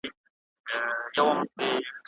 څارنوال له تورن کس څخه پوښتني کوي.